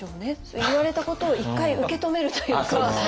言われたことを一回受け止めるというか。